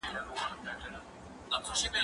زه اوس د ښوونځی لپاره تياری کوم؟!